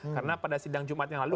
karena pada sidang jumat yang lalu